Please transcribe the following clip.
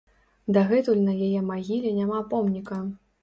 Дагэтуль на яе магіле няма помніка.